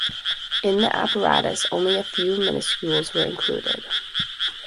In the apparatus only a few minuscules were included.